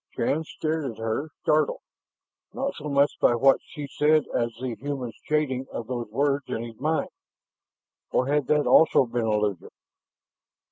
Shann stared at her, startled, not so much by what she said as the human shading of those words in his mind. Or had that also been illusion?